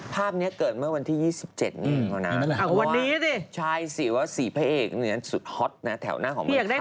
ภาพนี้เกิดเมื่อวันที่๒๗นี่เหรอนะว่าใช่สิว่า๔พระเอกสุดฮอตนะแถวหน้าของเมืองไทย